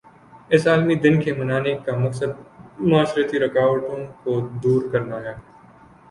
اس عالمی دن کے منانے کا مقصد معاشرتی رکاوٹوں کو دور کرنا ہے